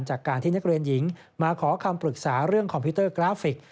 จากการที่นักเรียนหญิงมาขอคำปรึกษาเรื่องคอมพิวเตอร์กราฟิก